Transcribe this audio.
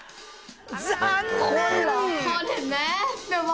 残念！